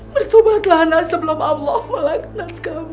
bertobatlah anak sebelum allah melangganat kamu